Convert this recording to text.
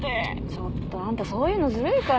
ちょっとあんたそういうのズルいから。